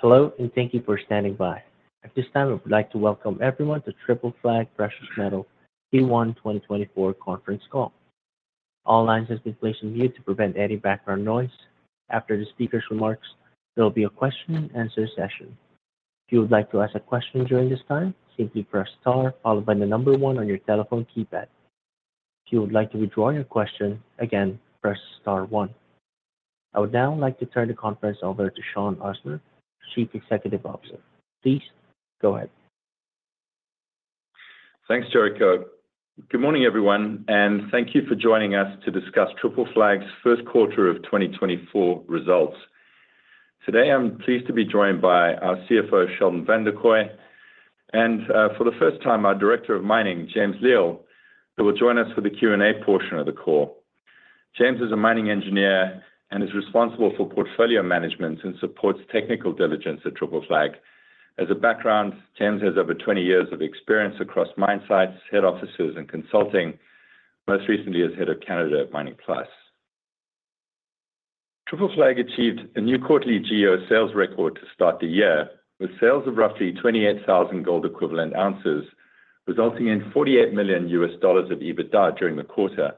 Hello and thank you for standing by. At this time I would like to welcome everyone to Triple Flag Precious Metals Q1 2024 Conference Call. All lines have been placed on mute to prevent any background noise. After the speaker's remarks, there will be a question-and-answer session. If you would like to ask a question during this time, simply press star followed by the number one on your telephone keypad. If you would like to withdraw your question, again, press star one. I would now like to turn the conference over to Shaun Usmar, Chief Executive Officer. Please go ahead. Thanks, Jericho. Good morning everyone, and thank you for joining us to discuss Triple Flag's first quarter of 2024 results. Today I'm pleased to be joined by our CFO Sheldon Vanderkooy, and for the first time our Director of Mining, James Lill, who will join us for the Q&A portion of the call. James is a mining engineer and is responsible for portfolio management and supports technical diligence at Triple Flag. As a background, James has over 20 years of experience across mine sites, head offices, and consulting, most recently as head of Canada at Mining Plus. Triple Flag achieved a new quarterly GEO sales record to start the year with sales of roughly 28,000 gold equivalent ounces, resulting in $48 million of EBITDA during the quarter.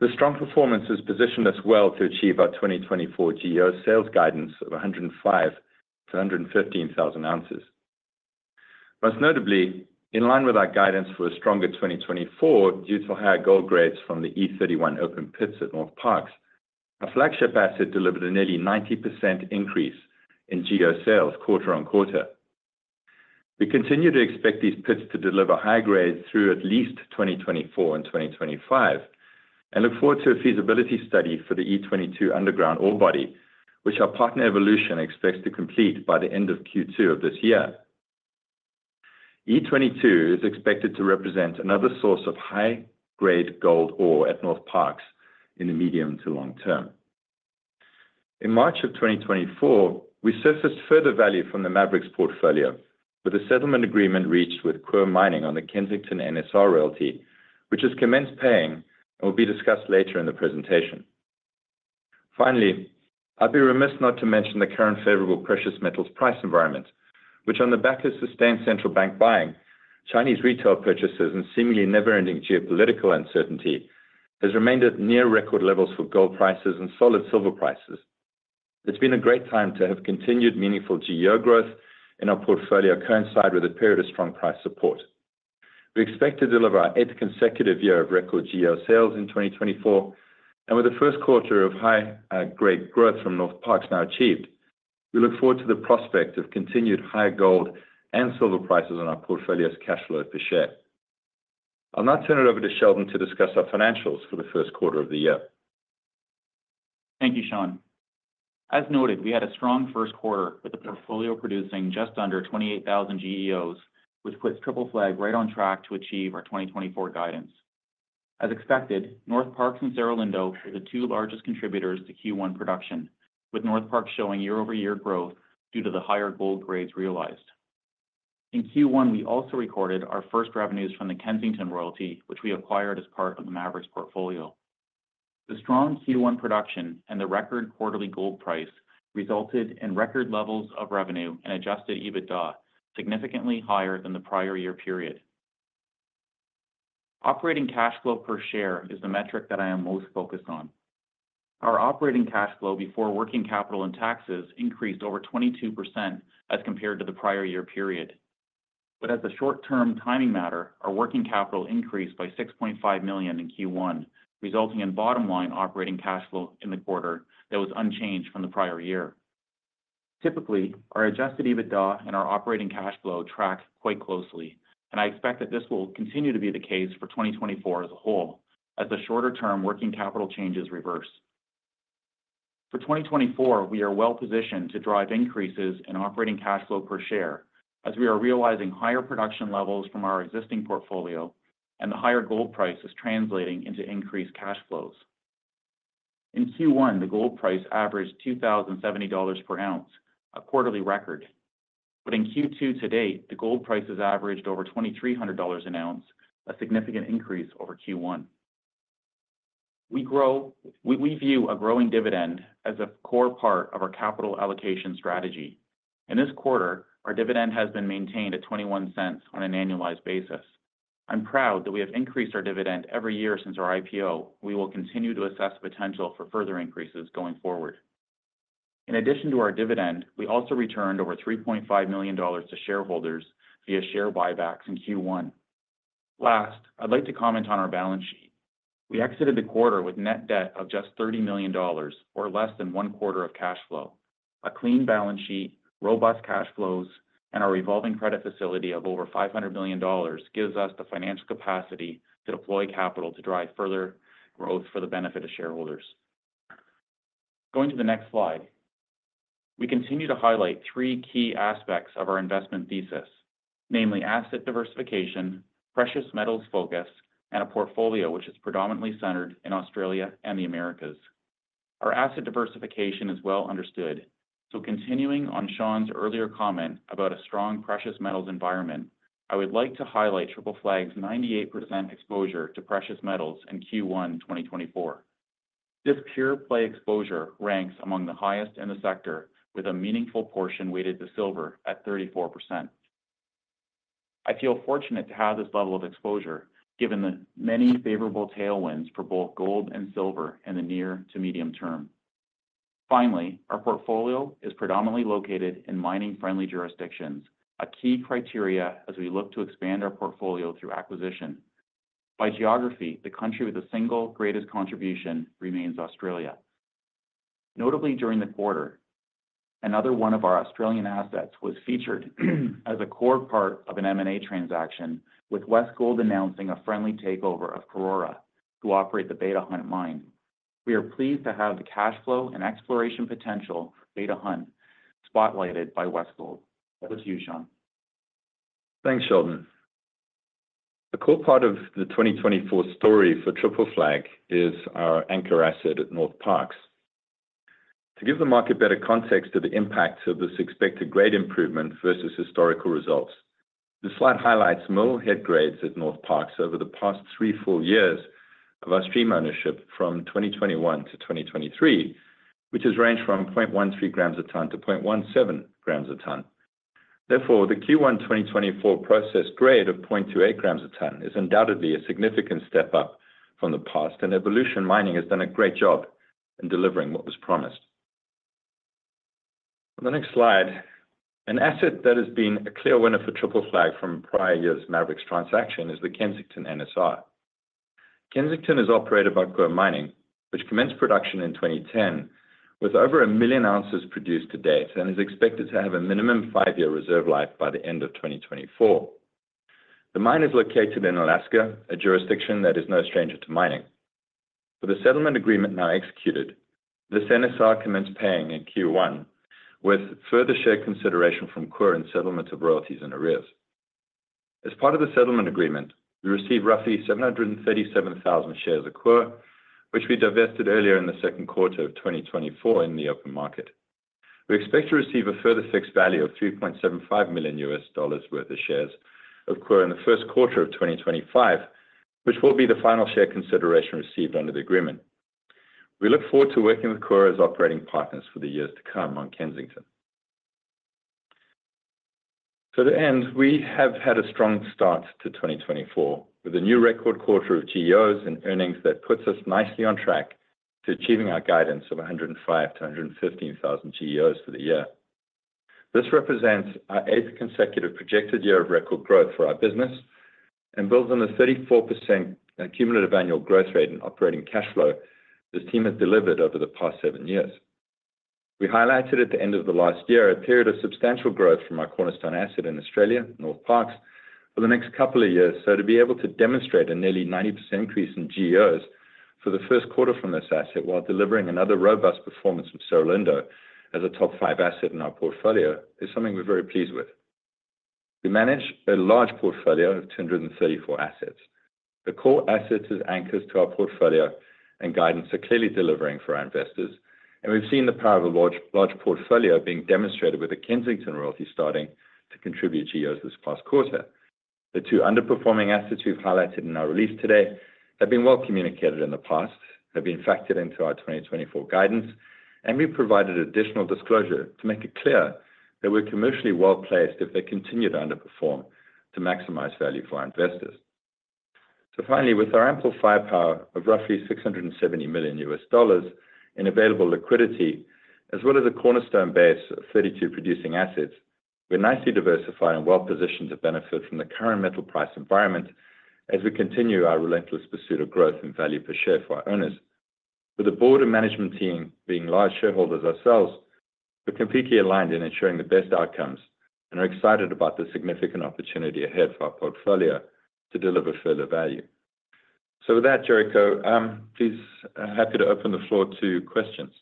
This strong performance has positioned us well to achieve our 2024 GEO sales guidance of 105,000-115,000 ounces. Most notably, in line with our guidance for a stronger 2024 due to higher gold grades from the E31 open pits at Northparkes, our flagship asset delivered a nearly 90% increase in GEO sales quarter on quarter. We continue to expect these pits to deliver higher grades through at least 2024 and 2025, and look forward to a feasibility study for the E22 underground ore body, which our partner Evolution expects to complete by the end of Q2 of this year. E22 is expected to represent another source of high-grade gold ore at Northparkes in the medium to long term. In March of 2024, we surfaced further value from the Maverix portfolio with a settlement agreement reached with Coeur Mining on the Kensington NSR royalty, which has commenced paying and will be discussed later in the presentation. Finally, I'd be remiss not to mention the current favorable precious metals price environment, which on the back of sustained central bank buying, Chinese retail purchases, and seemingly never-ending geopolitical uncertainty has remained at near-record levels for gold prices and solid silver prices. It's been a great time to have continued meaningful GEO growth in our portfolio coincide with a period of strong price support. We expect to deliver our eighth consecutive year of record GEO sales in 2024, and with the first quarter of high-grade growth from Northparkes now achieved, we look forward to the prospect of continued higher gold and silver prices on our portfolio's cash flow per share. I'll now turn it over to Sheldon to discuss our financials for the first quarter of the year. Thank you, Shaun. As noted, we had a strong first quarter with the portfolio producing just under 28,000 GEOs, which puts Triple Flag right on track to achieve our 2024 guidance. As expected, Northparkes and Cerro Lindo were the two largest contributors to Q1 production, with Northparkes showing year-over-year growth due to the higher gold grades realized. In Q1, we also recorded our first revenues from the Kensington royalty, which we acquired as part of the Maverix portfolio. The strong Q1 production and the record quarterly gold price resulted in record levels of revenue and Adjusted EBITDA significantly higher than the prior year period. Operating cash flow per share is the metric that I am most focused on. Our operating cash flow before working capital and taxes increased over 22% as compared to the prior year period. As a short-term timing matter, our working capital increased by $6.5 million in Q1, resulting in bottom-line operating cash flow in the quarter that was unchanged from the prior year. Typically, our Adjusted EBITDA and our operating cash flow track quite closely, and I expect that this will continue to be the case for 2024 as a whole as the shorter-term working capital changes reverse. For 2024, we are well positioned to drive increases in operating cash flow per share as we are realizing higher production levels from our existing portfolio, and the higher gold price is translating into increased cash flows. In Q1, the gold price averaged $2,070 per ounce, a quarterly record. In Q2 to date, the gold price has averaged over $2,300 an ounce, a significant increase over Q1. We view a growing dividend as a core part of our capital allocation strategy. In this quarter, our dividend has been maintained at $0.21 on an annualized basis. I'm proud that we have increased our dividend every year since our IPO, and we will continue to assess potential for further increases going forward. In addition to our dividend, we also returned over $3.5 million to shareholders via share buybacks in Q1. Last, I'd like to comment on our balance sheet. We exited the quarter with net debt of just $30 million or less than one quarter of cash flow. A clean balance sheet, robust cash flows, and our evolving credit facility of over $500 million gives us the financial capacity to deploy capital to drive further growth for the benefit of shareholders. Going to the next slide, we continue to highlight three key aspects of our investment thesis, namely asset diversification, precious metals focus, and a portfolio which is predominantly centered in Australia and the Americas. Our asset diversification is well understood, so continuing on Shaun's earlier comment about a strong precious metals environment, I would like to highlight Triple Flag's 98% exposure to precious metals in Q1 2024. This pure play exposure ranks among the highest in the sector, with a meaningful portion weighted to silver at 34%. I feel fortunate to have this level of exposure given the many favorable tailwinds for both gold and silver in the near to medium term. Finally, our portfolio is predominantly located in mining-friendly jurisdictions, a key criteria as we look to expand our portfolio through acquisition. By geography, the country with the single greatest contribution remains Australia, notably during the quarter. Another one of our Australian assets was featured as a core part of an M&A transaction, with Westgold announcing a friendly takeover of Karora, who operate the Beta Hunt Mine. We are pleased to have the cash flow and exploration potential Beta Hunt spotlighted by Westgold. Over to you, Shaun. Thanks, Sheldon. A core part of the 2024 story for Triple Flag is our anchor asset at Northparkes. To give the market better context to the impact of this expected grade improvement versus historical results, the slide highlights mineral head grades at Northparkes over the past three, four years of our stream ownership from 2021 to 2023, which has ranged from 0.13 g/tonne to 0.17 g/tonne. Therefore, the Q1 2024 processed grade of 0.28 g/tonne is undoubtedly a significant step up from the past, and Evolution Mining has done a great job in delivering what was promised. On the next slide, an asset that has been a clear winner for Triple Flag from prior year's Maverix transaction is the Kensington NSR. Kensington is operated by Coeur Mining, which commenced production in 2010 with over 1 million ounces produced to date and is expected to have a minimum five-year reserve life by the end of 2024. The mine is located in Alaska, a jurisdiction that is no stranger to mining. For the settlement agreement now executed, this NSR commenced paying in Q1 with further share consideration from Coeur in settlement of royalties and arrears. As part of the settlement agreement, we received roughly 737,000 shares of Coeur, which we divested earlier in the second quarter of 2024 in the open market. We expect to receive a further fixed value of $3.75 million worth of shares of Coeur in the first quarter of 2025, which will be the final share consideration received under the agreement. We look forward to working with Coeur as operating partners for the years to come on Kensington. To that end, we have had a strong start to 2024 with a new record quarter of GEOs and earnings that puts us nicely on track to achieving our guidance of 105,000-115,000 GEOs for the year. This represents our eighth consecutive projected year of record growth for our business and builds on the 34% cumulative annual growth rate in operating cash flow this team has delivered over the past seven years. We highlighted at the end of the last year a period of substantial growth from our cornerstone asset in Australia, Northparkes, for the next couple of years. To be able to demonstrate a nearly 90% increase in GEOs for the first quarter from this asset while delivering another robust performance from Cerro Lindo as a top five asset in our portfolio is something we're very pleased with. We manage a large portfolio of 234 assets. The core assets as anchors to our portfolio and guidance are clearly delivering for our investors, and we've seen the power of a large portfolio being demonstrated with the Kensington royalty starting to contribute GEOs this past quarter. The two underperforming assets we've highlighted in our release today have been well communicated in the past, have been factored into our 2024 guidance, and we provided additional disclosure to make it clear that we're commercially well placed if they continue to underperform to maximize value for our investors. So finally, with our ample firepower of roughly $670 million in available liquidity, as well as a cornerstone base of 32 producing assets, we're nicely diversified and well positioned to benefit from the current metal price environment as we continue our relentless pursuit of growth and value per share for our owners. With the board and management team being large shareholders ourselves, we're completely aligned in ensuring the best outcomes and are excited about the significant opportunity ahead for our portfolio to deliver further value. So with that, Jericho, please, I'm happy to open the floor to questions.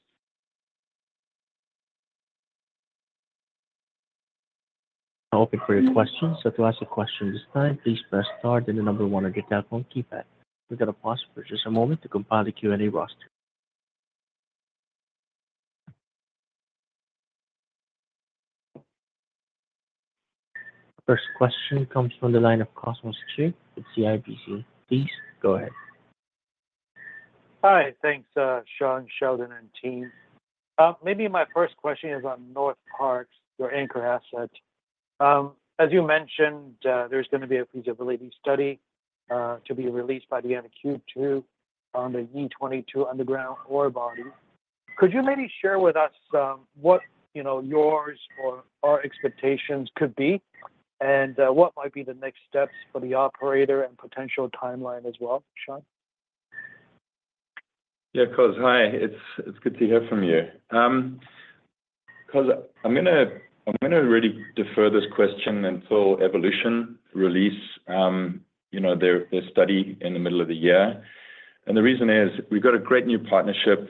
I'll open for your questions. So to ask a question this time, please press star, then the number one on your telephone keypad. We've got a pause for just a moment to compile the Q&A roster. First question comes from the line of Cosmos Chiu with CIBC. Please go ahead. Hi. Thanks, Shaun, Sheldon, and team. Maybe my first question is on Northparkes, your anchor asset. As you mentioned, there's going to be a feasibility study to be released by the end of Q2 on the E22 underground ore body. Could you maybe share with us what yours or our expectations could be and what might be the next steps for the operator and potential timeline as well, Shaun? Yeah, Cos. Hi. It's good to hear from you. Cos, I'm going to really defer this question until Evolution release their study in the middle of the year. And the reason is we've got a great new partnership.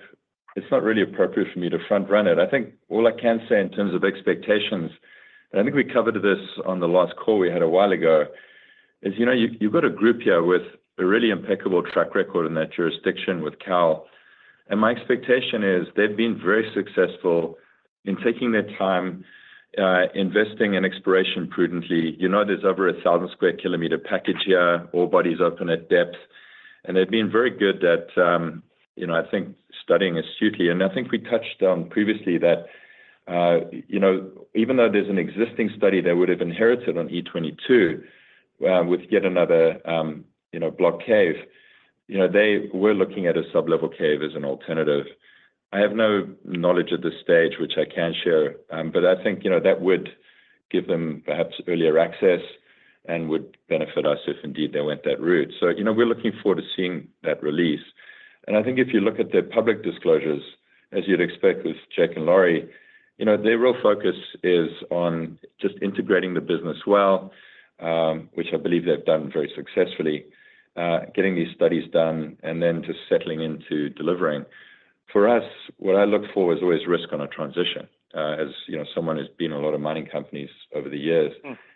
It's not really appropriate for me to front-run it. I think all I can say in terms of expectations, and I think we covered this on the last call we had a while ago, is you've got a group here with a really impeccable track record in that jurisdiction with Cowal. And my expectation is they've been very successful in taking their time, investing in exploration prudently. There's over 1,000 square kilometer package here, ore bodies open at depth. And they've been very good at, I think, studying astutely. I think we touched on previously that even though there's an existing study that would have inherited on E22 with yet another block cave, they were looking at a sublevel cave as an alternative. I have no knowledge at this stage, which I can share, but I think that would give them perhaps earlier access and would benefit us if indeed they went that route. So we're looking forward to seeing that release. And I think if you look at their public disclosures, as you'd expect with Jake and Lawrie, their real focus is on just integrating the business well, which I believe they've done very successfully, getting these studies done, and then just settling into delivering. For us, what I look for is always risk on a transition as someone who's been in a lot of mining companies over the years,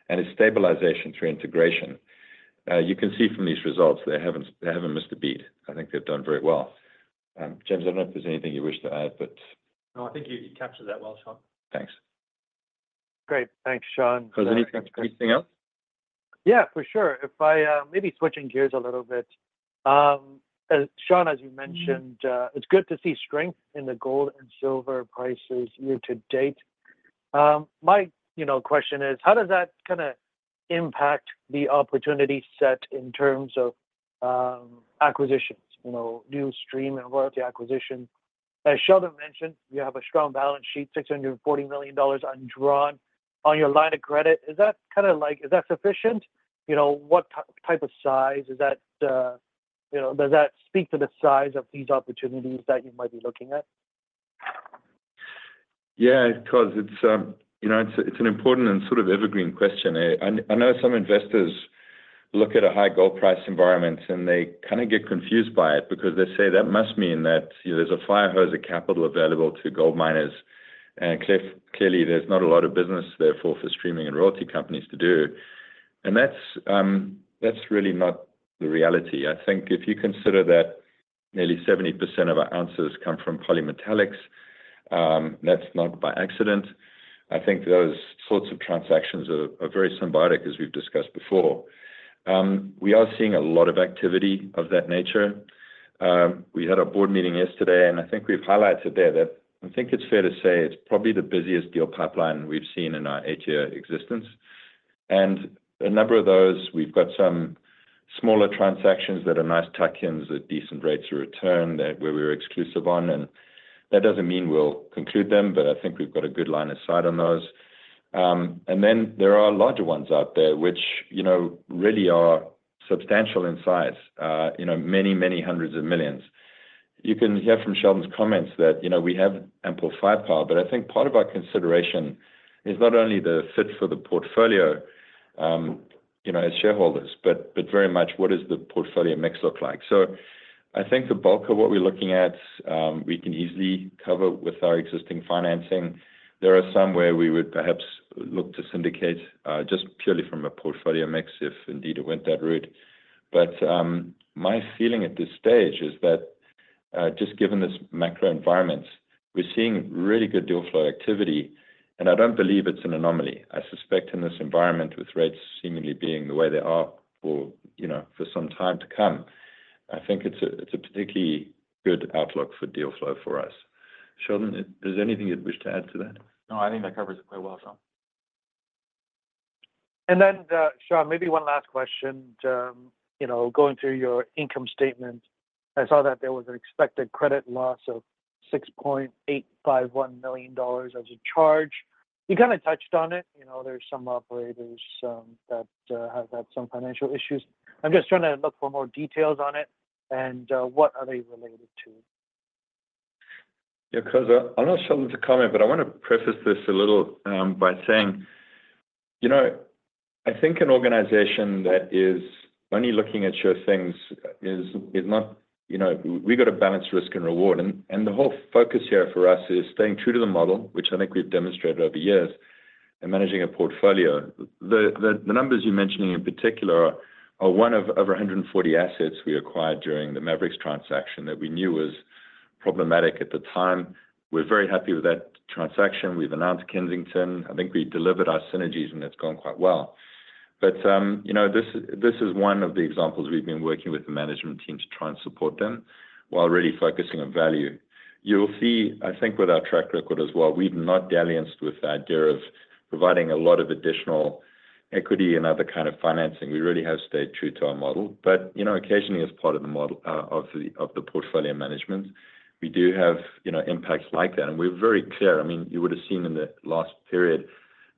and it's stabilization through integration. You can see from these results, they haven't missed a beat. I think they've done very well. James, I don't know if there's anything you wish to add, but. No, I think you captured that well, Shaun. Thanks. Great. Thanks, Shaun. Cos, anything else? Yeah, for sure. Maybe switching gears a little bit. Shaun, as you mentioned, it's good to see strength in the gold and silver prices year to date. My question is, how does that kind of impact the opportunity set in terms of acquisitions, new stream and royalty acquisitions? As Sheldon mentioned, you have a strong balance sheet, $640 million undrawn on your line of credit. Is that kind of like is that sufficient? What type of size? Does that speak to the size of these opportunities that you might be looking at? Yeah, Cos, it's an important and sort of evergreen question. I know some investors look at a high gold price environment, and they kind of get confused by it because they say, "That must mean that there's a fire hose of capital available to gold miners. And clearly, there's not a lot of business therefore for streaming and royalty companies to do." And that's really not the reality. I think if you consider that nearly 70% of our ounces come from polymetallics, that's not by accident. I think those sorts of transactions are very symbiotic, as we've discussed before. We are seeing a lot of activity of that nature. We had a board meeting yesterday, and I think we've highlighted there that I think it's fair to say it's probably the busiest deal pipeline we've seen in our eight-year existence. A number of those, we've got some smaller transactions that are nice tuck-ins at decent rates of return where we were exclusive on. That doesn't mean we'll conclude them, but I think we've got a good line of sight on those. Then there are larger ones out there, which really are substantial in size, many, many $ hundreds of millions. You can hear from Sheldon's comments that we have ample firepower, but I think part of our consideration is not only the fit for the portfolio as shareholders, but very much what does the portfolio mix look like? So I think the bulk of what we're looking at, we can easily cover with our existing financing. There are some where we would perhaps look to syndicate just purely from a portfolio mix if indeed it went that route. My feeling at this stage is that just given this macro environment, we're seeing really good deal flow activity. I don't believe it's an anomaly. I suspect in this environment with rates seemingly being the way they are for some time to come, I think it's a particularly good outlook for deal flow for us. Sheldon, is there anything you'd wish to add to that? No, I think that covers it quite well, Shaun. And then, Shaun, maybe one last question. Going through your income statement, I saw that there was an expected credit loss of $6.851 million as a charge. You kind of touched on it. There's some operators that have had some financial issues. I'm just trying to look for more details on it, and what are they related to? Yeah, Cos, I'll ask Sheldon to comment, but I want to preface this a little by saying I think an organization that is only looking at your things is not. We've got to balance risk and reward. And the whole focus here for us is staying true to the model, which I think we've demonstrated over years, and managing a portfolio. The numbers you're mentioning in particular are one of over 140 assets we acquired during the Maverix transaction that we knew was problematic at the time. We're very happy with that transaction. We've announced Kensington. I think we delivered our synergies, and it's gone quite well. But this is one of the examples we've been working with the management team to try and support them while really focusing on value. You'll see, I think, with our track record as well, we've not dallied with the idea of providing a lot of additional equity and other kind of financing. We really have stayed true to our model. But occasionally, as part of the portfolio management, we do have impacts like that. And we're very clear. I mean, you would have seen in the last period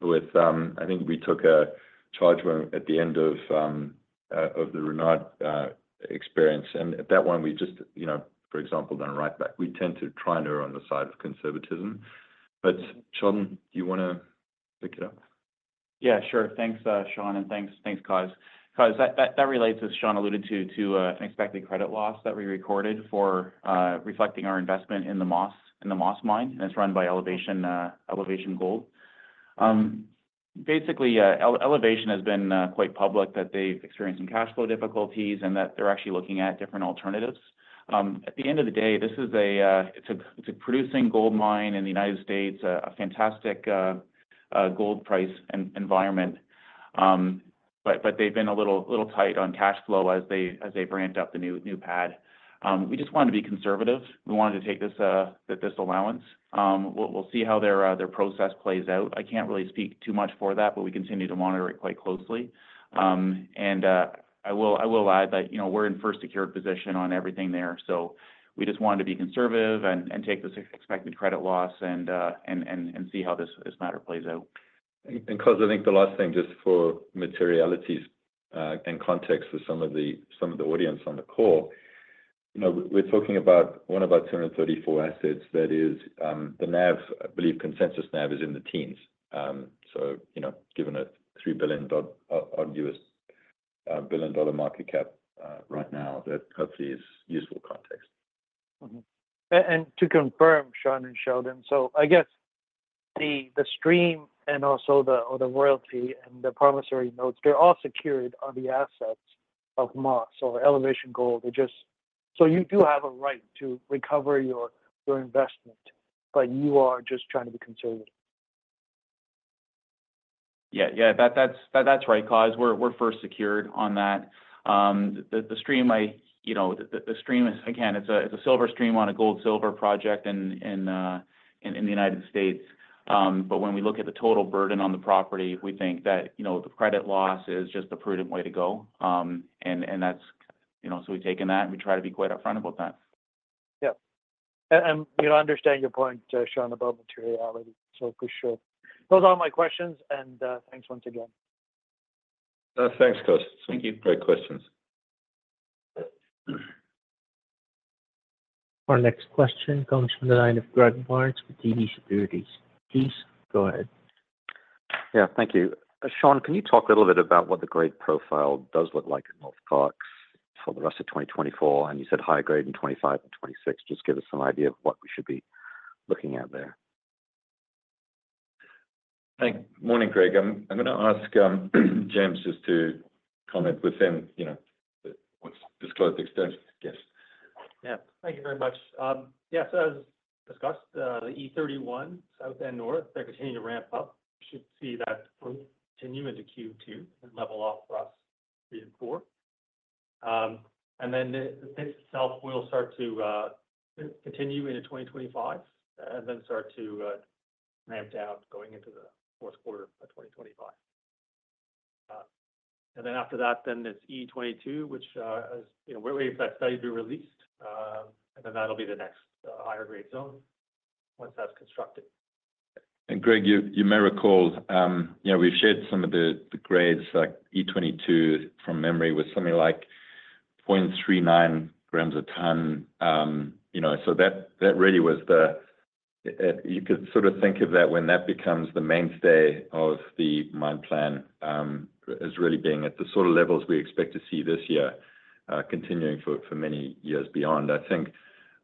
with I think we took a charge at the end of the Renard experience. And at that one, we've just, for example, done a write-back. We tend to try and err on the side of conservatism. But Sheldon, do you want to pick it up? Yeah, sure. Thanks, Shaun. And thanks, Cos. Cos, that relates, as Shaun alluded to, to an expected credit loss that we recorded for reflecting our investment in the Moss Mine. And it's run by Elevation Gold. Basically, Elevation has been quite public that they've experienced some cash flow difficulties and that they're actually looking at different alternatives. At the end of the day, it's a producing gold mine in the United States, a fantastic gold price environment. But they've been a little tight on cash flow as they've ramped up the new pad. We just wanted to be conservative. We wanted to take this allowance. We'll see how their process plays out. I can't really speak too much for that, but we continue to monitor it quite closely. And I will add that we're in first secured position on everything there. We just wanted to be conservative and take this expected credit loss and see how this matter plays out. Cos, I think the last thing, just for materialities and context for some of the audience on the call, we're talking about one of our 234 assets that is the NAV, I believe consensus NAV, is in the teens. So given a $3 billion U.S. market cap right now, that hopefully is useful context. To confirm, Shaun and Sheldon, so I guess the stream and also the royalty and the promissory notes, they're all secured on the assets of Moss or Elevation Gold. You do have a right to recover your investment, but you are just trying to be conservative. Yeah, yeah, that's right, Cos. We're first secured on that. The stream, again, it's a silver stream on a gold-silver project in the United States. But when we look at the total burden on the property, we think that the credit loss is just the prudent way to go. And so we've taken that, and we try to be quite upfront about that. Yeah. I understand your point, Shaun, about materiality. For sure. Those are all my questions. Thanks once again. Thanks, Cos. Great questions. Our next question comes from the line of Greg Barnes with TD Securities. Please go ahead. Yeah, thank you. Shaun, can you talk a little bit about what the grade profile does look like at Northparkes for the rest of 2024? And you said higher grade in 2025 and 2026. Just give us some idea of what we should be looking at there. Morning, Greg. I'm going to ask James just to comment within what's disclosed extension, I guess. Yeah. Thank you very much. Yeah, so as discussed, the E31 South and North, they're continuing to ramp up. We should see that continue into Q2 and level off for Q3 and Q4. And then this itself will start to continue into 2025 and then start to ramp down going into the fourth quarter of 2025. And then after that, then it's E22, which we're waiting for that study to be released. And then that'll be the next higher grade zone once that's constructed. And Greg, you may recall we've shared some of the grades, like E22 from memory, with something like 0.39 g/tonne. So that really was. You could sort of think of that when that becomes the mainstay of the mine plan as really being at the sort of levels we expect to see this year continuing for many years beyond. I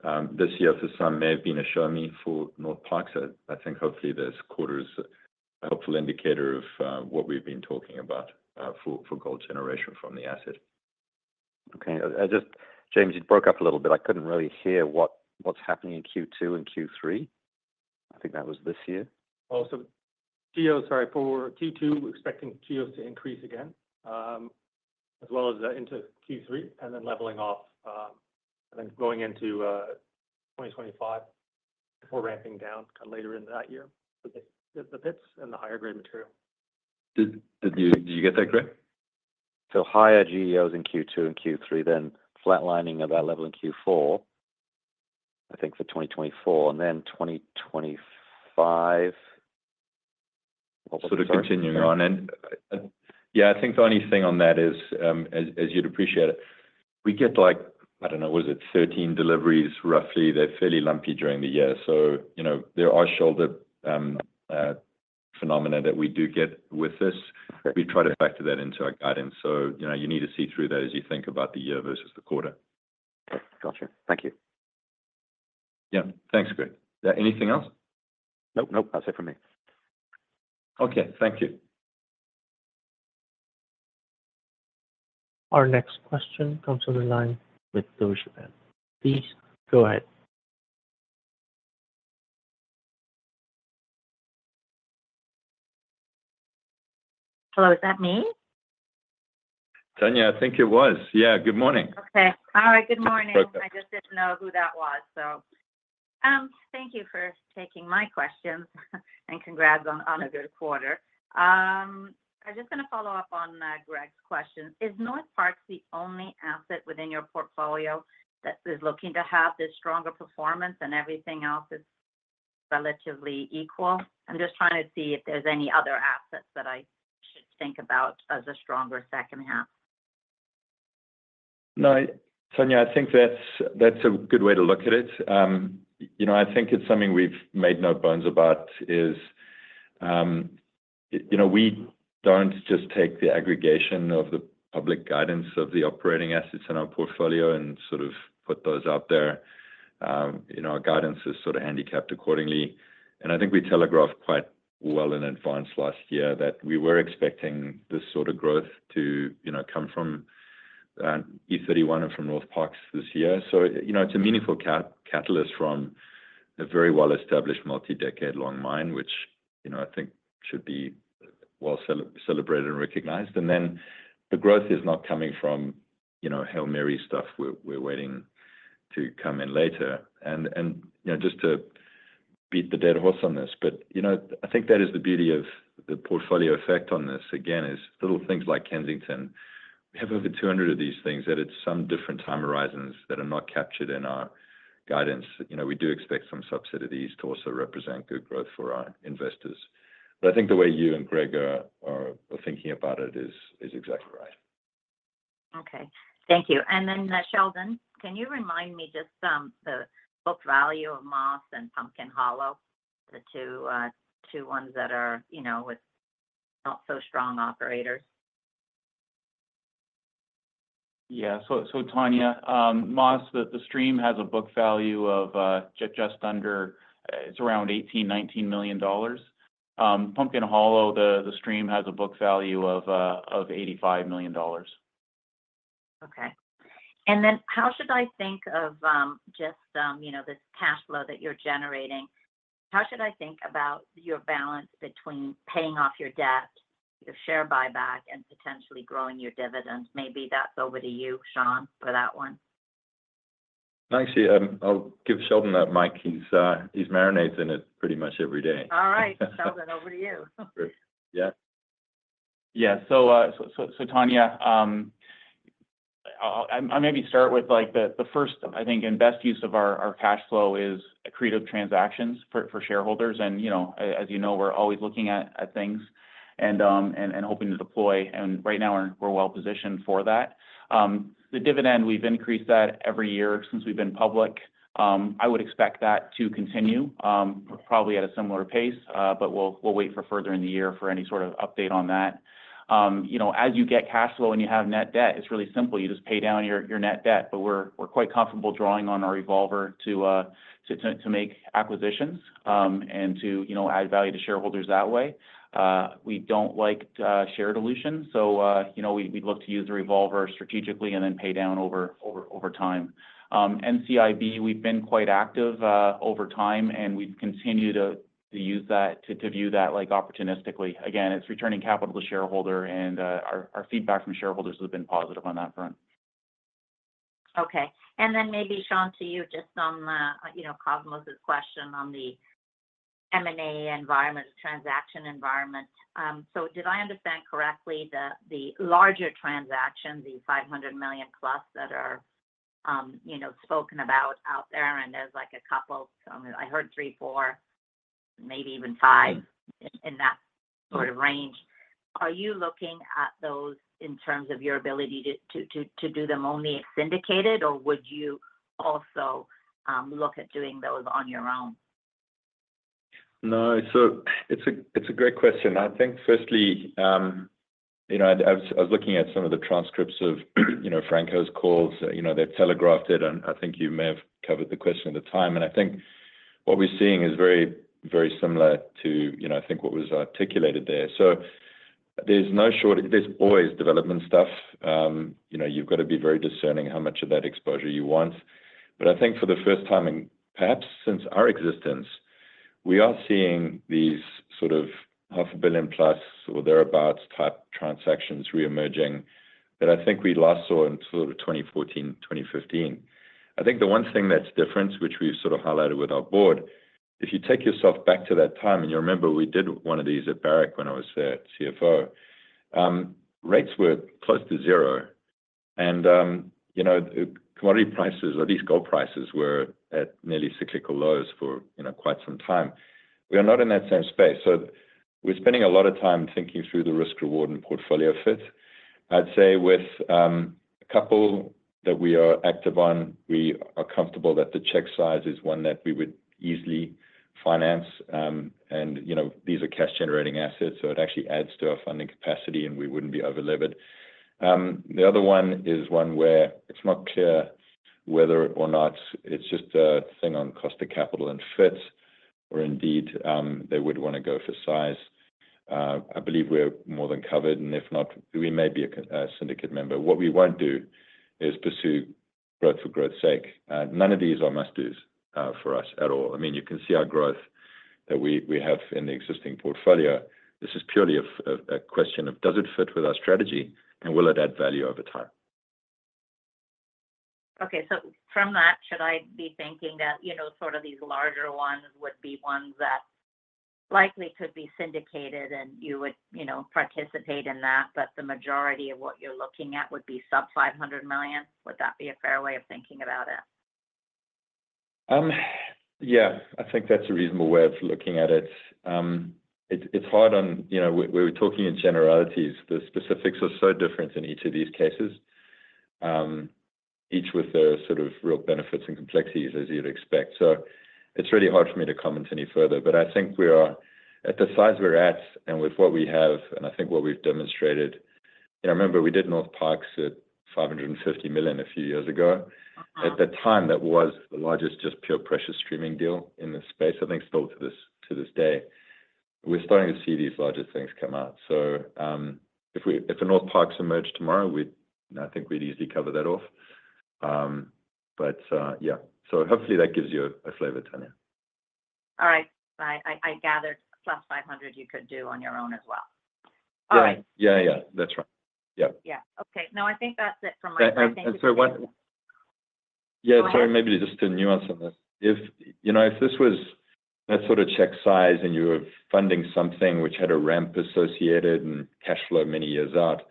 think this year, for some, may have been a show-me for Northparkes. I think hopefully this quarter is a helpful indicator of what we've been talking about for gold generation from the asset. Okay. James, you broke up a little bit. I couldn't really hear what's happening in Q2 and Q3. I think that was this year. Oh, so sorry. Q2, expecting GEOs to increase again as well as into Q3 and then leveling off and then going into 2025 before ramping down kind of later in that year for the pits and the higher grade material. Did you get that, Greg? So higher GEOs in Q2 and Q3, then flatlining of that level in Q4, I think, for 2024. And then 2025, what would be? Sort of continuing on. And yeah, I think the only thing on that is, as you'd appreciate it, we get like, I don't know, was it 13 deliveries roughly? They're fairly lumpy during the year. So there are shoulder phenomena that we do get with this. We try to factor that into our guidance. So you need to see through that as you think about the year versus the quarter. Gotcha. Thank you. Yeah. Thanks, Greg. Anything else? Nope, nope. That's it from me. Okay. Thank you. Our next question comes on the line of Tanya Jakusconek with Scotiabank. Please go ahead. Hello, is that me? Tanya, I think it was. Yeah, good morning. Okay. All right. Good morning. I just didn't know who that was, so. Thank you for taking my questions. Congrats on a good quarter. I'm just going to follow up on Greg's question. Is Northparkes the only asset within your portfolio that is looking to have this stronger performance and everything else is relatively equal? I'm just trying to see if there's any other assets that I should think about as a stronger second half. No, Tanya, I think that's a good way to look at it. I think it's something we've made no bones about is we don't just take the aggregation of the public guidance of the operating assets in our portfolio and sort of put those out there. Our guidance is sort of handicapped accordingly. And I think we telegraphed quite well in advance last year that we were expecting this sort of growth to come from E31 and from Northparkes this year. So it's a meaningful catalyst from a very well-established multi-decade-long mine, which I think should be well celebrated and recognized. And then the growth is not coming from Hail Mary stuff. We're waiting to come in later and just to beat the dead horse on this. But I think that is the beauty of the portfolio effect on this, again, is little things like Kensington. We have over 200 of these things at some different time horizons that are not captured in our guidance. We do expect some acquisitions to also represent good growth for our investors. But I think the way you and Greg are thinking about it is exactly right. Okay. Thank you. And then, Sheldon, can you remind me just the book value of Moss and Pumpkin Hollow, the two ones that are with not-so-strong operators? Yeah. So Tanya, Moss, the stream has a book value of just under it's around $18-$19 million. Pumpkin Hollow, the stream has a book value of $85 million. Okay. And then how should I think of just this cash flow that you're generating? How should I think about your balance between paying off your debt, your share buyback, and potentially growing your dividend? Maybe that's over to you, Shaun, for that one. Actually, I'll give Sheldon that mic. He marinates in it pretty much every day. All right. Sheldon, over to you. Yeah. Yeah. So Tanya, I'll maybe start with the first, I think, and best use of our cash flow is accretive transactions for shareholders. And as you know, we're always looking at things and hoping to deploy. And right now, we're well-positioned for that. The dividend, we've increased that every year since we've been public. I would expect that to continue probably at a similar pace, but we'll wait for further in the year for any sort of update on that. As you get cash flow and you have net debt, it's really simple. You just pay down your net debt. But we're quite comfortable drawing on our revolver to make acquisitions and to add value to shareholders that way. We don't like share dilution. So we'd love to use the revolver strategically and then pay down over time. NCIB, we've been quite active over time, and we've continued to use that to view that opportunistically. Again, it's returning capital to shareholder, and our feedback from shareholders has been positive on that front. Okay. And then maybe, Shaun, to you, just on Cosmos's question on the M&A environment, transaction environment. So did I understand correctly the larger transactions, the $500 million+ that are spoken about out there? And there's a couple. I heard three, four, maybe even five in that sort of range. Are you looking at those in terms of your ability to do them only ex-syndicated, or would you also look at doing those on your own? No, so it's a great question. I think, firstly, I was looking at some of the transcripts of Franco's calls. They've telegraphed it. And I think you may have covered the question at the time. And I think what we're seeing is very, very similar to, I think, what was articulated there. So there's always development stuff. You've got to be very discerning how much of that exposure you want. But I think for the first time, and perhaps since our existence, we are seeing these sort of $500 million+ or thereabouts type transactions reemerging that I think we last saw in sort of 2014, 2015. I think the one thing that's different, which we've sort of highlighted with our board, if you take yourself back to that time and you remember we did one of these at Barrick when I was their CFO, rates were close to zero. Commodity prices, or at least gold prices, were at nearly cyclical lows for quite some time. We are not in that same space. We're spending a lot of time thinking through the risk-reward and portfolio fit. I'd say with a couple that we are active on, we are comfortable that the check size is one that we would easily finance. These are cash-generating assets, so it actually adds to our funding capacity, and we wouldn't be overleveraged. The other one is one where it's not clear whether or not it's just a thing on cost of capital and fit or indeed they would want to go for size. I believe we're more than covered. If not, we may be a syndicate member. What we won't do is pursue growth for growth's sake. None of these are must-dos for us at all. I mean, you can see our growth that we have in the existing portfolio. This is purely a question of, does it fit with our strategy, and will it add value over time? Okay. So from that, should I be thinking that sort of these larger ones would be ones that likely could be syndicated, and you would participate in that, but the majority of what you're looking at would be sub-$500 million? Would that be a fair way of thinking about it? Yeah, I think that's a reasonable way of looking at it. It's hard when we're talking in generalities. The specifics are so different in each of these cases, each with their sort of real benefits and complexities, as you'd expect. So it's really hard for me to comment any further. But I think at the size we're at and with what we have and I think what we've demonstrated remember, we did Northparkes at $550 million a few years ago. At the time, that was the largest just pure precious streaming deal in the space, I think, still to this day. We're starting to see these larger things come out. So if a Northparkes emerged tomorrow, I think we'd easily cover that off. But yeah. So hopefully, that gives you a flavor, Tanya. All right. I gathered +500 you could do on your own as well. All right. Yeah, yeah, yeah. That's right. Yeah. Yeah. Okay. No, I think that's it from my side. Thank you. Yeah. Sorry, maybe just a nuance on this. If this was that sort of check size, and you were funding something which had a ramp associated and cash flow many years out,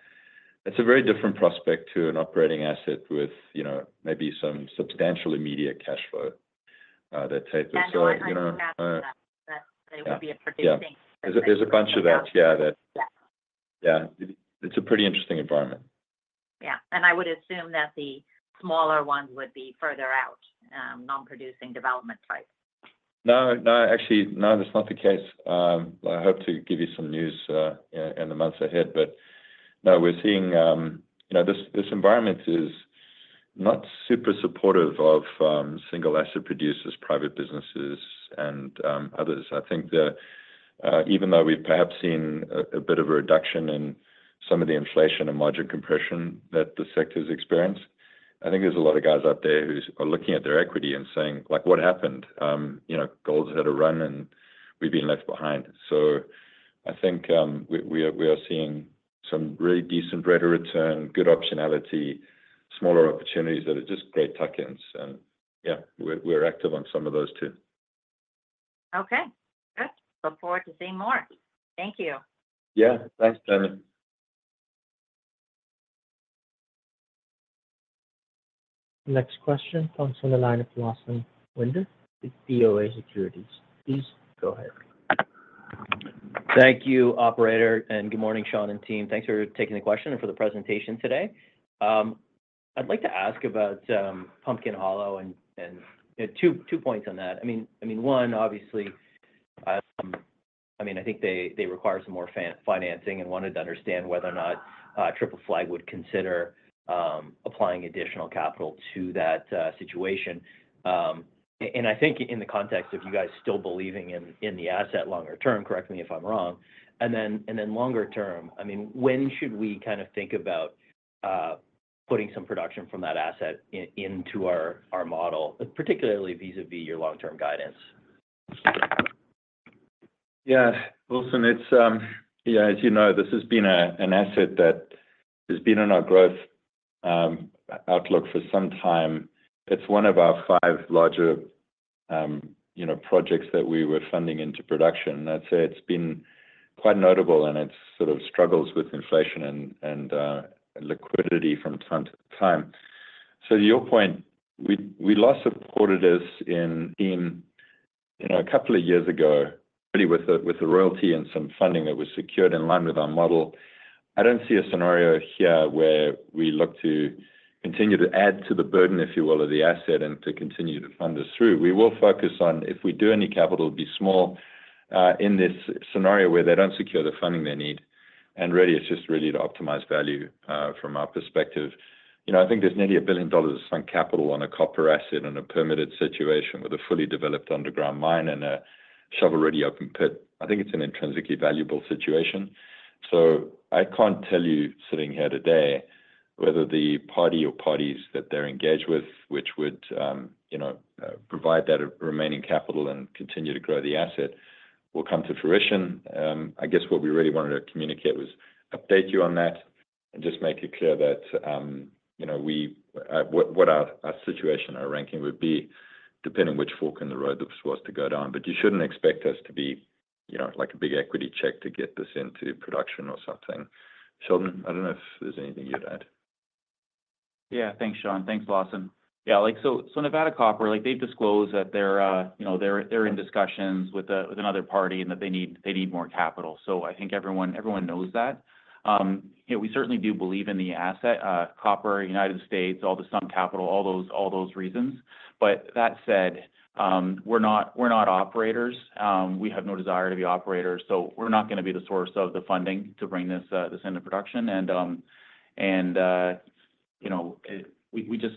that's a very different prospect to an operating asset with maybe some substantial immediate cash flow that type of thing. That's what I was going to ask. That they would be a producing. Yeah. There's a bunch of that. Yeah. Yeah. It's a pretty interesting environment. Yeah. I would assume that the smaller ones would be further out, non-producing development type. No, no. Actually, no, that's not the case. I hope to give you some news in the months ahead. But no, we're seeing this environment is not super supportive of single-asset producers, private businesses, and others. I think even though we've perhaps seen a bit of a reduction in some of the inflation and margin compression that the sector's experienced, I think there's a lot of guys out there who are looking at their equity and saying, "What happened? Gold's had a run, and we've been left behind." So I think we are seeing some really decent better return, good optionality, smaller opportunities that are just great tuck-ins. And yeah, we're active on some of those too. Okay. Good. Look forward to seeing more. Thank you. Yeah. Thanks, Tanya. Next question comes from the line of Lawson Winder with BofA Securities. Please go ahead. Thank you, operator. And good morning, Shaun and team. Thanks for taking the question and for the presentation today. I'd like to ask about Pumpkin Hollow and two points on that. I mean, one, obviously, I mean, I think they require some more financing and wanted to understand whether or not Triple Flag would consider applying additional capital to that situation. And I think in the context of you guys still believing in the asset longer term - correct me if I'm wrong - and then longer term, I mean, when should we kind of think about putting some production from that asset into our model, particularly vis-à-vis your long-term guidance? Yeah. Listen, yeah, as you know, this has been an asset that has been on our growth outlook for some time. It's one of our five larger projects that we were funding into production. And I'd say it's been quite notable, and it sort of struggles with inflation and liquidity from time to time. So to your point, we last supported this in 2023, a couple of years ago, really with the royalty and some funding that was secured in line with our model. I don't see a scenario here where we look to continue to add to the burden, if you will, of the asset and to continue to fund us through. We will focus on if we do any capital, it'd be small in this scenario where they don't secure the funding they need. And really, it's just really to optimize value from our perspective. I think there's nearly $1 billion of sunk capital on a copper asset in a permitted situation with a fully developed underground mine and a shovel-ready open pit. I think it's an intrinsically valuable situation. So I can't tell you sitting here today whether the party or parties that they're engaged with, which would provide that remaining capital and continue to grow the asset, will come to fruition. I guess what we really wanted to communicate was update you on that and just make it clear that what our situation, our ranking would be, depending which fork in the road this was to go down. But you shouldn't expect us to be like a big equity check to get this into production or something. Sheldon, I don't know if there's anything you'd add. Yeah. Thanks, Shaun. Thanks, Lawson. Yeah. So Nevada Copper, they've disclosed that they're in discussions with another party and that they need more capital. So I think everyone knows that. We certainly do believe in the asset, copper, United States, all the sunk capital, all those reasons. But that said, we're not operators. We have no desire to be operators. So we're not going to be the source of the funding to bring this into production. And we just,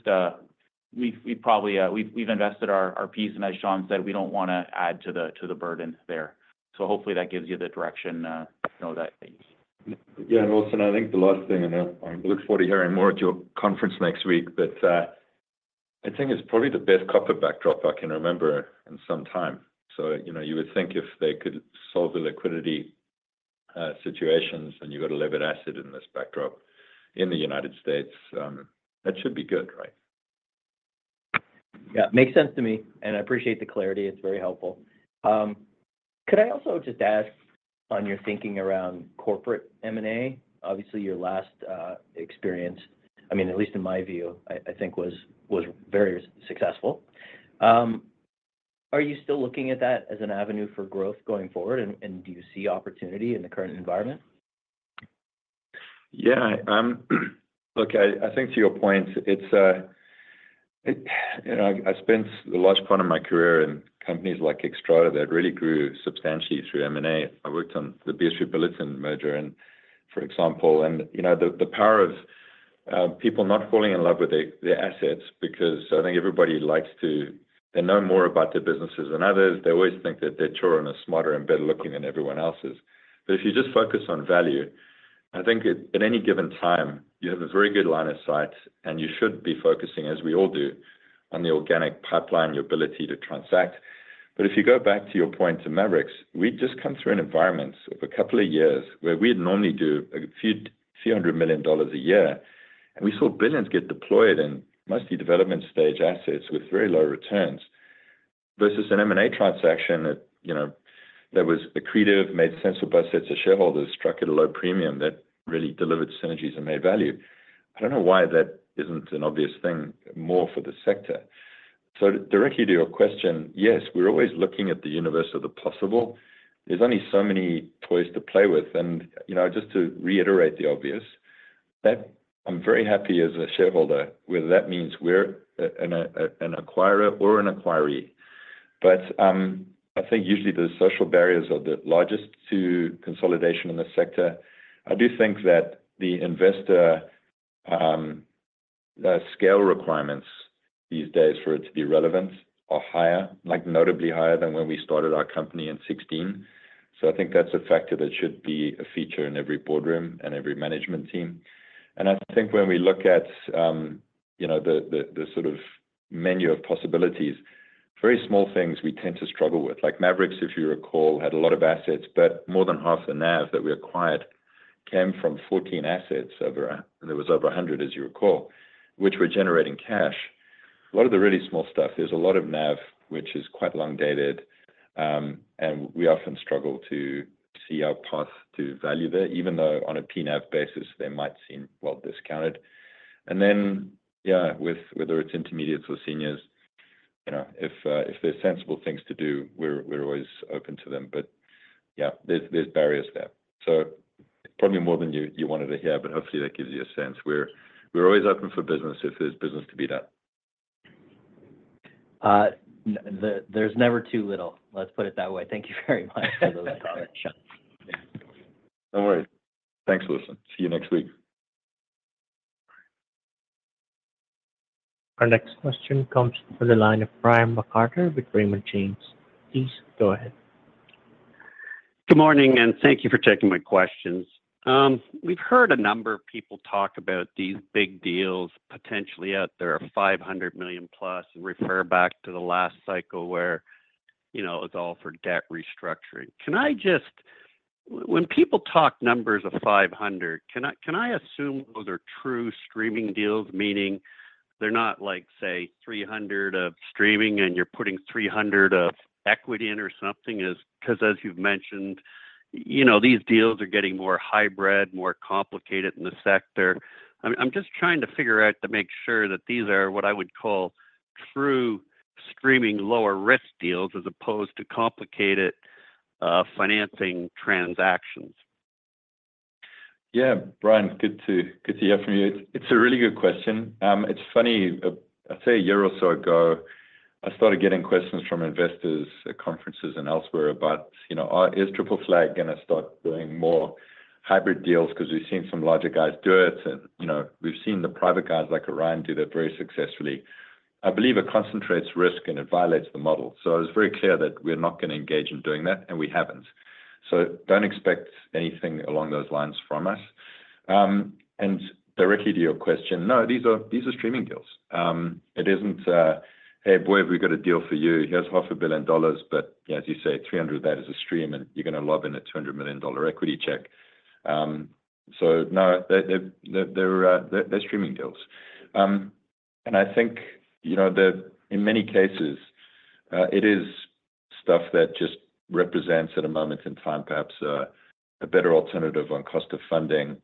we've probably invested our piece. And as Shaun said, we don't want to add to the burden there. So hopefully, that gives you the direction that you need. Yeah. Listen, I think the last thing I know I look forward to hearing more at your conference next week. But I think it's probably the best copper backdrop I can remember in some time. So you would think if they could solve the liquidity situations and you've got a levered asset in this backdrop in the United States, that should be good, right? Yeah. Makes sense to me. And I appreciate the clarity. It's very helpful. Could I also just ask on your thinking around corporate M&A? Obviously, your last experience, I mean, at least in my view, I think was very successful. Are you still looking at that as an avenue for growth going forward? And do you see opportunity in the current environment? Yeah. Look, I think to your point, it's I spent the large part of my career in companies like Xstrata that really grew substantially through M&A. I worked on the BHP Billiton merger, for example. And the power of people not falling in love with their assets because I think everybody likes to they know more about their businesses than others. They always think that their children is smarter and better-looking than everyone else's. But if you just focus on value, I think at any given time, you have a very good line of sight, and you should be focusing, as we all do, on the organic pipeline, your ability to transact. But if you go back to your point to Maverix, we'd just come through an environment of a couple of years where we'd normally do $ a few hundred million a year. We saw billions get deployed in mostly development-stage assets with very low returns versus an M&A transaction that was accretive, made sense for both sets of shareholders, struck at a low premium that really delivered synergies and made value. I don't know why that isn't an obvious thing more for the sector. So directly to your question, yes, we're always looking at the universe of the possible. There's only so many toys to play with. And just to reiterate the obvious, I'm very happy as a shareholder, whether that means we're an acquirer or an acquiree. But I think usually, the social barriers are the largest to consolidation in the sector. I do think that the investor scale requirements these days for it to be relevant are higher, notably higher than when we started our company in 2016. So I think that's a factor that should be a feature in every boardroom and every management team. And I think when we look at the sort of menu of possibilities, very small things we tend to struggle with. Like Maverix, if you recall, had a lot of assets. But more than half the NAV that we acquired came from 14 assets. There was over 100, as you recall, which were generating cash. A lot of the really small stuff, there's a lot of NAV which is quite long-dated. And we often struggle to see our path to value there, even though on a P-NAV basis, they might seem well discounted. And then, yeah, whether it's intermediates or seniors, if there's sensible things to do, we're always open to them. But yeah, there's barriers there. So probably more than you wanted to hear, but hopefully, that gives you a sense. We're always open for business if there's business to be done. There's never too little. Let's put it that way. Thank you very much for those comments, Shaun. No worries. Thanks, Listen. See you next week. Our next question comes from the line of Brian MacArthur with Raymond James. Please go ahead. Good morning, and thank you for taking my questions. We've heard a number of people talk about these big deals potentially out there of $500 million+ and refer back to the last cycle where it was all for debt restructuring. When people talk numbers of $500 million, can I assume those are true streaming deals, meaning they're not like, say, $300 million of streaming, and you're putting $300 million of equity in or something? Because as you've mentioned, these deals are getting more hybrid, more complicated in the sector. I'm just trying to figure out to make sure that these are what I would call true streaming lower-risk deals as opposed to complicated financing transactions. Yeah, Brian, good to hear from you. It's a really good question. It's funny. I'd say a year or so ago, I started getting questions from investors at conferences and elsewhere about, "Is Triple Flag going to start doing more hybrid deals?" because we've seen some larger guys do it. And we've seen the private guys like Orion do that very successfully. I believe it concentrates risk, and it violates the model. So it was very clear that we're not going to engage in doing that, and we haven't. So don't expect anything along those lines from us. And directly to your question, no, these are streaming deals. It isn't, "Hey, boy, have we got a deal for you? Here's $500 million." But as you say, $300 million of that is a stream, and you're going to lob in a $200 million equity check. So no, they're streaming deals. I think in many cases, it is stuff that just represents, at a moment in time, perhaps a better alternative on cost of funding,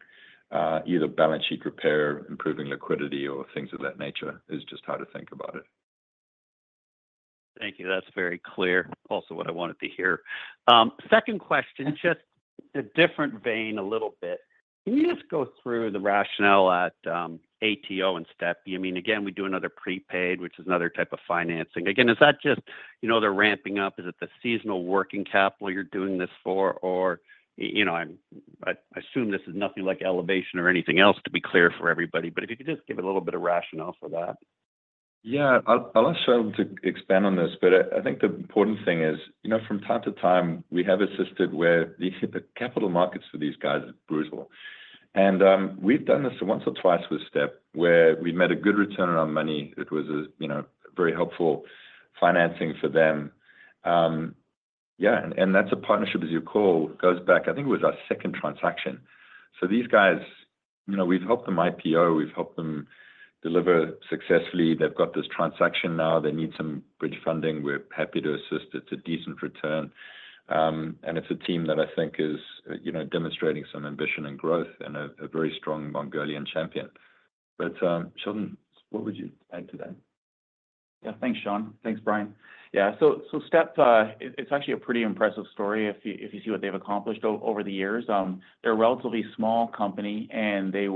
either balance sheet repair, improving liquidity, or things of that nature. It's just hard to think about it. Thank you. That's very clear, also, what I wanted to hear. Second question, just a different vein a little bit. Can you just go through the rationale at ATO and Steppe? I mean, again, we do another prepaid, which is another type of financing. Again, is that just they're ramping up? Is it the seasonal working capital you're doing this for? Or I assume this is nothing like elevation or anything else, to be clear for everybody. But if you could just give a little bit of rationale for that. Yeah. I'll ask Shaun to expand on this. But I think the important thing is, from time to time, we have assisted where the capital markets for these guys are brutal. And we've done this once or twice with Steppe where we've made a good return on our money. It was very helpful financing for them. Yeah. And that's a partnership, as you call it, goes back I think it was our second transaction. So these guys, we've helped them IPO. We've helped them deliver successfully. They've got this transaction now. They need some bridge funding. We're happy to assist. It's a decent return. And it's a team that I think is demonstrating some ambition and growth and a very strong Mongolian champion. But Sheldon, what would you add to that? Yeah. Thanks, Shaun. Thanks, Brian. Yeah. So Steppe, it's actually a pretty impressive story if you see what they've accomplished over the years. They're a relatively small company, and they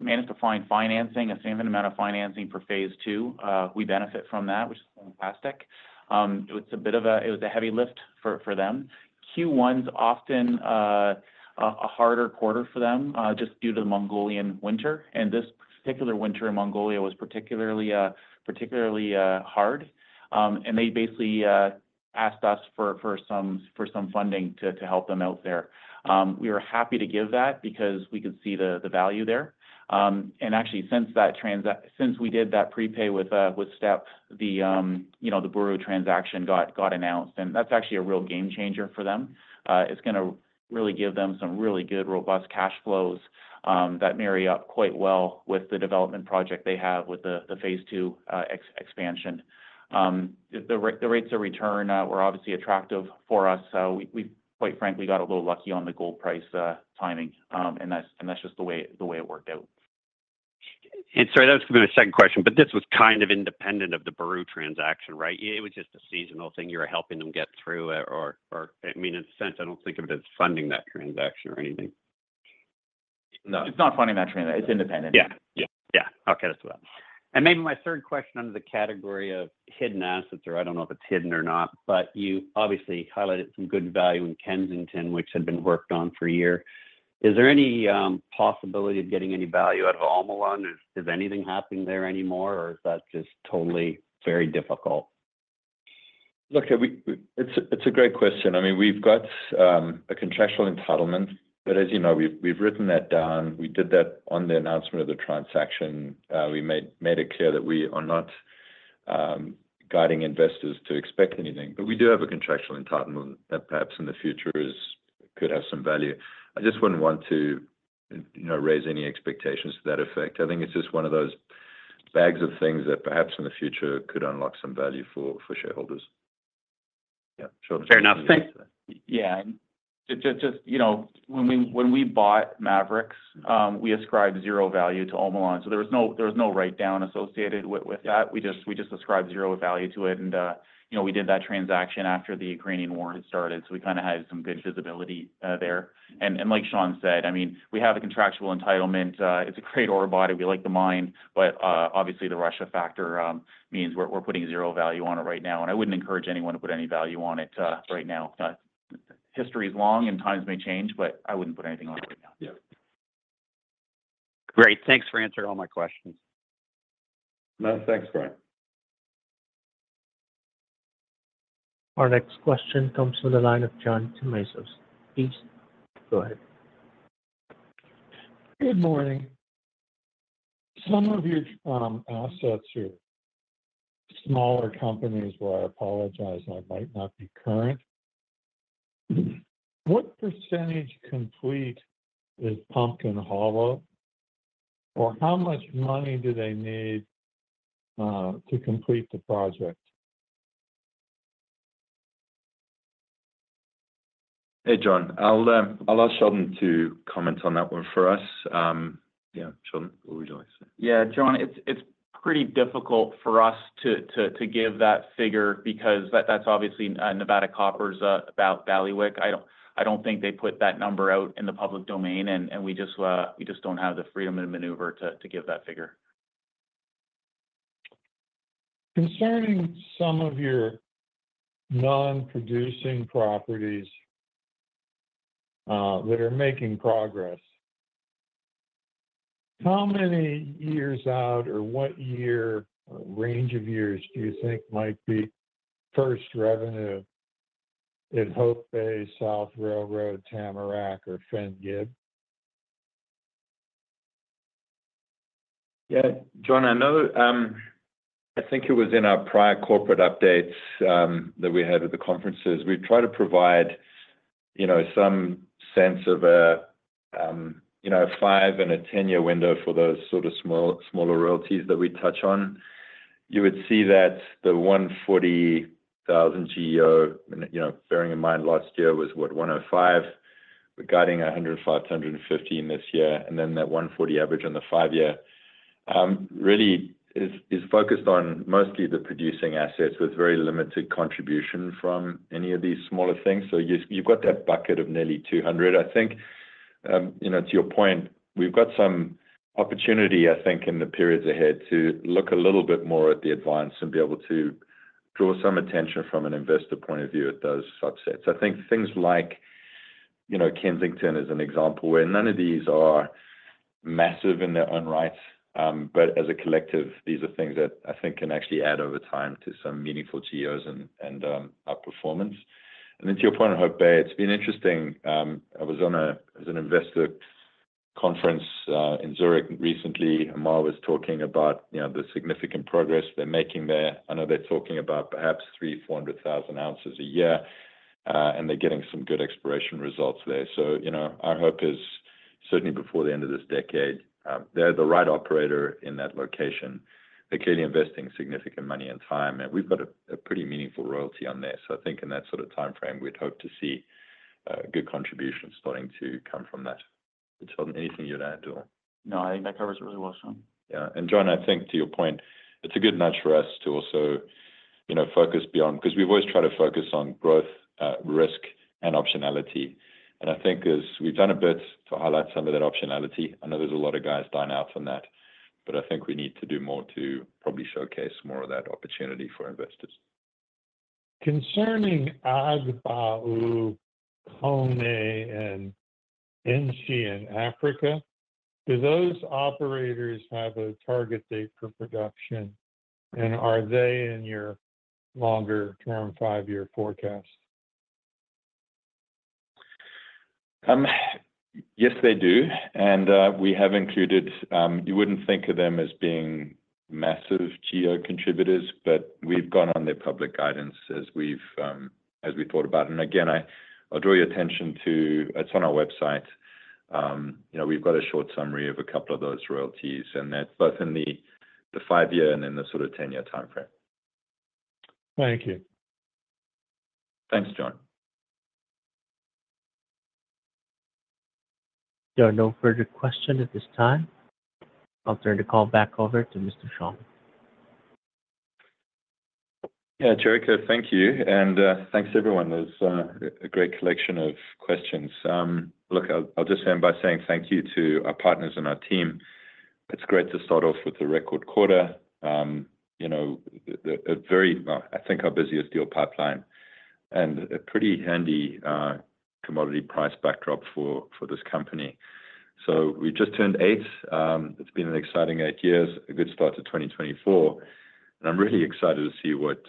managed to find financing, a significant amount of financing for Phase 2. We benefit from that, which is fantastic. It was a bit of a heavy lift for them. Q1 is often a harder quarter for them just due to the Mongolian winter. And this particular winter in Mongolia was particularly hard. And they basically asked us for some funding to help them out there. We were happy to give that because we could see the value there. And actually, since we did that prepay with Steppe, the Boroo transaction got announced. And that's actually a real game-changer for them. It's going to really give them some really good, robust cash flows that marry up quite well with the development project they have with the Phase 2 expansion. The rates of return were obviously attractive for us. Quite frankly, got a little lucky on the gold price timing. And that's just the way it worked out. And sorry, that was going to be my second question. But this was kind of independent of the Boroo transaction, right? It was just a seasonal thing you were helping them get through? Or I mean, in a sense, I don't think of it as funding that transaction or anything. No. It's not funding that transaction. It's independent. Yeah. Yeah. Yeah. Okay. That's what I meant. And maybe my third question under the category of hidden assets or I don't know if it's hidden or not. But you obviously highlighted some good value in Kensington, which had been worked on for a year. Is there any possibility of getting any value out of Omolon? Is anything happening there anymore? Or is that just totally very difficult? Look, it's a great question. I mean, we've got a contractual entitlement. But as you know, we've written that down. We did that on the announcement of the transaction. We made it clear that we are not guiding investors to expect anything. But we do have a contractual entitlement that perhaps in the future could have some value. I just wouldn't want to raise any expectations to that effect. I think it's just one of those bags of things that perhaps in the future could unlock some value for shareholders. Yeah. Sheldon. Fair enough. Thanks. Yeah. And just when we bought Maverix, we ascribed zero value to Omolon. So there was no write-down associated with that. We just ascribed zero value to it. And we did that transaction after the Ukrainian war had started. So we kind of had some good visibility there. And like Shaun said, I mean, we have a contractual entitlement. It's a great ore body. We like to mine. But obviously, the Russia factor means we're putting zero value on it right now. And I wouldn't encourage anyone to put any value on it right now. History is long, and times may change. But I wouldn't put anything on it right now. Yeah. Great. Thanks for answering all my questions. No. Thanks, Brian. Our next question comes from the line of John Tumazos. Please go ahead. Good morning. Some of your assets are smaller companies. Well, I apologize. I might not be current. What percentage complete is Pumpkin Hollow? Or how much money do they need to complete the project? Hey, John. I'll ask Sheldon to comment on that one for us. Yeah, Sheldon, what would you like to say? Yeah, John, it's pretty difficult for us to give that figure because that's obviously Nevada Copper's bailiwick. I don't think they put that number out in the public domain. And we just don't have the freedom of maneuver to give that figure. Concerning some of your non-producing properties that are making progress, how many years out or what year or range of years do you think might be first revenue in Hope Bay, South Railroad, Tamarack, or Fenn-Gib? Yeah. John, I think it was in our prior corporate updates that we had at the conferences. We've tried to provide some sense of a five and ten-year window for those sort of smaller royalties that we touch on. You would see that the 140,000 GEO, bearing in mind last year was, what, 105? We're guiding 105-150 this year. And then that 140 average on the five-year really is focused on mostly the producing assets with very limited contribution from any of these smaller things. So you've got that bucket of nearly 200. I think, to your point, we've got some opportunity, I think, in the periods ahead to look a little bit more at the advance and be able to draw some attention from an investor point of view at those subsets. I think things like Kensington is an example where none of these are massive in their own right. But as a collective, these are things that I think can actually add over time to some meaningful GEOs and outperformance. And to your point on Hope Bay, it's been interesting. I was on an investor conference in Zurich recently. Ammar was talking about the significant progress they're making there. I know they're talking about perhaps 300,000-400,000 ounces a year. And they're getting some good exploration results there. So our hope is, certainly before the end of this decade, they're the right operator in that location. They're clearly investing significant money and time. And we've got a pretty meaningful royalty on there. So I think in that sort of timeframe, we'd hope to see good contributions starting to come from that. Sheldon, anything you'd add or? No. I think that covers it really well, Shaun. Yeah. John, I think, to your point, it's a good nudge for us to also focus beyond because we've always tried to focus on growth, risk, and optionality. I think we've done a bit to highlight some of that optionality. I know there's a lot of guys dining out on that. But I think we need to do more to probably showcase more of that opportunity for investors. Concerning Agbaou, Koné, and Enchi Africa, do those operators have a target date for production? And are they in your longer-term five-year forecast? Yes, they do. And we have included. You wouldn't think of them as being massive GEOs contributors. But we've gone on their public guidance as we thought about it. And again, I'll draw your attention to. It's on our website. We've got a short summary of a couple of those royalties. And that's both in the five-year and in the sort of ten-year timeframe. Thank you. Thanks, John. Yeah. No further question at this time. I'll turn the call back over to Mr. Shaun. Yeah, Jericho, thank you. And thanks, everyone. There's a great collection of questions. Look, I'll just end by saying thank you to our partners and our team. It's great to start off with the record quarter, a very well, I think our busiest deal pipeline, and a pretty handy commodity price backdrop for this company. So we just turned eight. It's been an exciting eight years, a good start to 2024. And I'm really excited to see what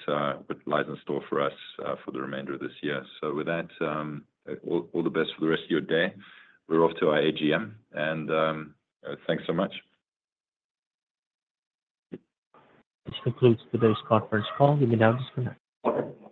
lies in store for us for the remainder of this year. So with that, all the best for the rest of your day. We're off to our AGM. And thanks so much. This concludes today's conference call. You may now disconnect.